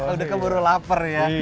udah keburu lapar ya